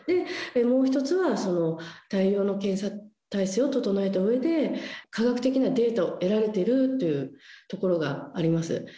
もう一つは、大量の検査体制を整えたうえで科学的なデータを得られてるというところがあります。